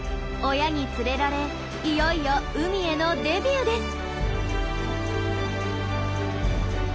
親に連れられいよいよ海へのデビューです。